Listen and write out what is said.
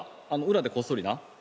裏でこっそりな。